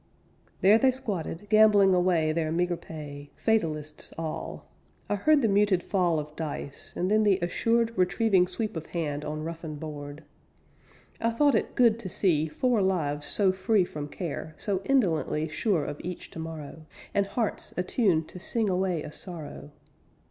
_" There they squatted, gambling away Their meagre pay; Fatalists all. I heard the muted fall Of dice, then the assured, Retrieving sweep of hand on roughened board. I thought it good to see Four lives so free From care, so indolently sure of each tomorrow, And hearts attuned to sing away a sorrow.